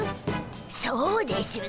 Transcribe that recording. そうでしゅな。